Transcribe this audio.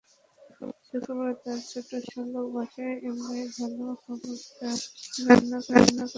শুক্রবার তাঁর ছোট শ্যালক বাসায় এলে ভালো খাবারদাবার রান্না করেন তানজিন।